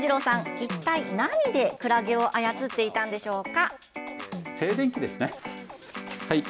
一体、何でくらげを操っていたのでしょうか？